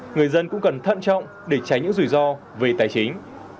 người dân cũng cần thận trọng để tránh những rủi ro về tài chính